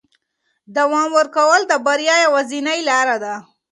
دوام ورکول د بریا یوازینۍ لاره ده.